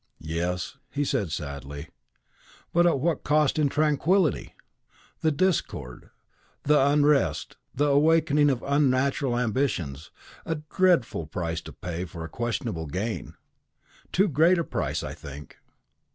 "Yes," he said sadly, "but at what cost in tranquility! The discord, the unrest, the awakening of unnatural ambitions a dreadful price to pay for a questionable gain. Too great a price, I think."